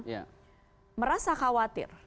ya merasa khawatir